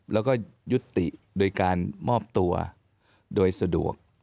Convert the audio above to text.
แล้วก็ยุติโดยการมอบตัวโดยสะดวก